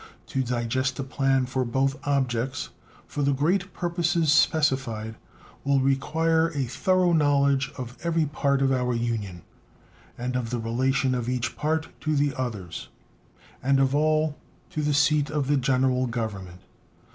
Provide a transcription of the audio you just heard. To digest a plan for both objects for the great purposes specified will require a thorough knowledge of every part of our Union and of the relation of each part to the others and of all to the seat of the General Government.